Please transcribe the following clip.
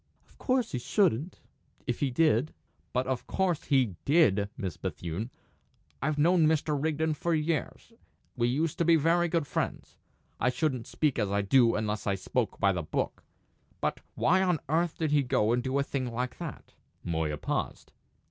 "Of course he shouldn't if he did." "But of course he did, Miss Bethune. I've known Mr. Rigden for years; we used to be very good friends. I shouldn't speak as I do unless I spoke by the book. But why on earth did he go and do a thing like that?" Moya paused.